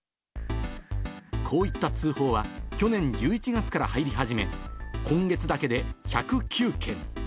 こういった通報は、去年１１月から入り始め、今月だけで１０９件。